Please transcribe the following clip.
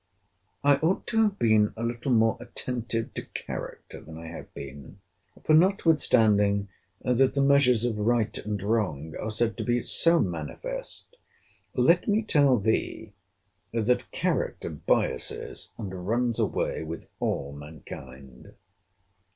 I ought to have been a little more attentive to character than I have been. For, notwithstanding that the measures of right and wrong are said to be so manifest, let me tell thee, that character biases and runs away with all mankind.